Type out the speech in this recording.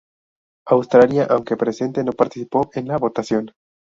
Australia, aunque presente, no participó en la votación.